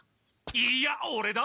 いいやオレだ！